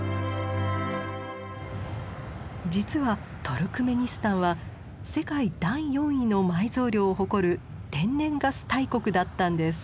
実はトルクメニスタンは世界第４位の埋蔵量を誇る天然ガス大国だったんです。